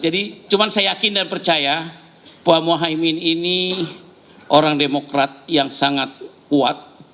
jadi cuma saya yakin dan percaya pak mohaimin ini orang demokrat yang sangat kuat